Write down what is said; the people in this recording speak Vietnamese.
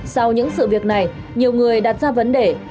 sau những sự việc này nhiều người đặt ra vấn đề